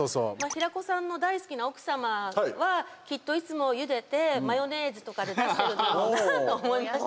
平子さんの大好きな奥様はきっといつもゆでてマヨネーズとかで出してるんだろうなと思いまして。